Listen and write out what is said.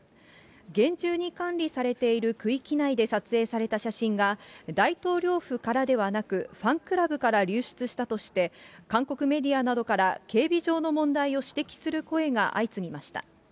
厳重に管理されている区域内で撮影された写真が、大統領府からではなく、ファンクラブから流出したとして、韓国メディアなどから警備上の問題を指摘する声が相次ぎました。